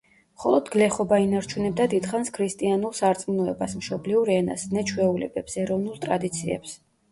მხოლოდ გლეხობა ინარჩუნებდა დიდხანს ქრისტიანულ სარწმუნოებას, მშობლიურ ენას, ზნე-ჩვეულებებს, ეროვნულ ტრადიციებს.